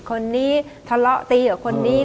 คนนี้ทะเลาะตีกับคนนี้